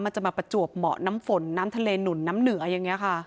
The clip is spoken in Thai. จะมาประจวบเหมาะน้ำฝนน้ำทะเลหนุนน้ำเหนืออย่างนี้ค่ะ